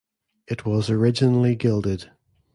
It was originally gilded.